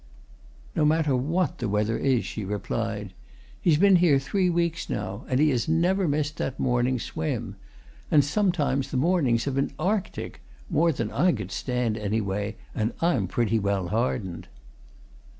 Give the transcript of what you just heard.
"No matter what the weather is," she replied. "He's been here three weeks now, and he has never missed that morning swim. And sometimes the mornings have been Arctic more than I could stand, anyway, and I'm pretty well hardened."